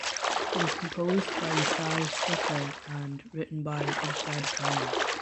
It was composed by Vishal–Shekhar and written by Irshad Kamil.